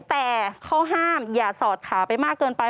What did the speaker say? แต่เขาห้ามอย่าสอดขาไปมากเกินไป